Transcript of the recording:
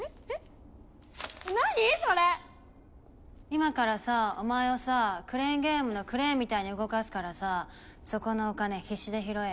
今からさお前をさクレーンゲームのクレーンみたいに動かすからさそこのお金必死で拾えよ。